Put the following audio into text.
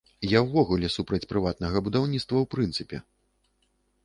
Я ўвогуле супраць прыватнага будаўніцтва ў прынцыпе.